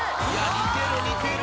似てる似てる。